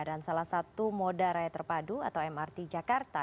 dan salah satu moda raya terpadu atau mrt jakarta